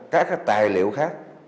các tài liệu khác